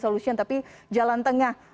solution tapi jalan tengah